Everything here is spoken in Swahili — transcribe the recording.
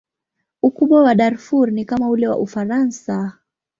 Ukubwa wa Darfur ni kama ule wa Ufaransa.